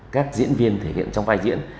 các diễn viên thể hiện trong vai diễn